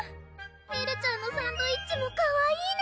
エルちゃんのサンドイッチもかわいいね！